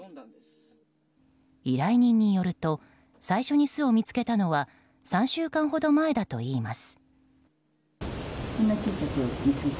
依頼人によると最初に巣を見つけたのは３週間ほど前だといいます。